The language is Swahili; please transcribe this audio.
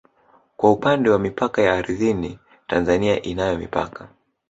Kwa upande wa mipaka ya ardhini Tanzania inayo mipaka